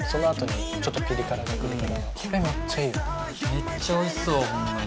めっちゃおいしそう、ほんまに。